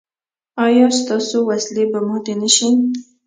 ایا ستاسو وسلې به ماتې نه شي؟